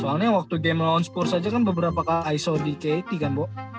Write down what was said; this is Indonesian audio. soalnya waktu game launch course aja kan beberapa kali i saw di ke delapan kan bo